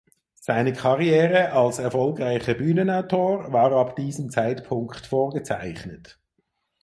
Seine Karriere als erfolgreicher Bühnenautor war ab diesem Zeitpunkt vorgezeichnet.